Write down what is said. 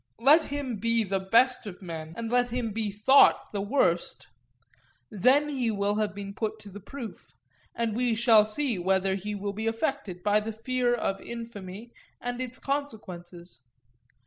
Let him be the best of men, and let him be thought the worst; then he will have been put to the proof; and we shall see whether he will be affected by the fear of infamy and its consequences.